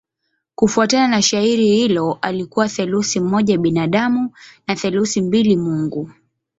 Kufuatana na shairi hilo alikuwa theluthi moja binadamu na theluthi mbili mungu.